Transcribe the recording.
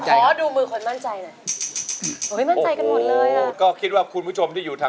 จับมือประคองขอร้องอย่าได้เปลี่ยนไป